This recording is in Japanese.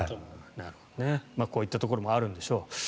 こういったところもあるんでしょう。